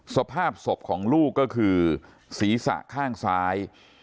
สภาพศพของลูกก็คือศีรษะข้างซ้าย